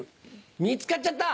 見つかっちゃった。